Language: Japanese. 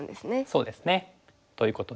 そうですね。ということで。